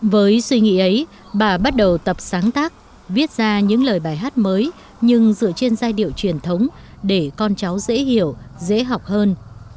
với suy nghĩ ấy bà bắt đầu tập sáng tác viết ra những lời bài hát mới nhưng dựa trên giai điệu truyền thống để con cháu dễ hiểu dễ học hơn